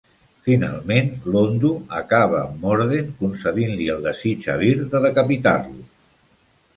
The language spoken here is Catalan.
Finalment, Londo acaba amb Morden concedint-li el desig a Vir de decapitar-lo.